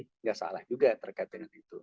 tidak salah juga terkait dengan itu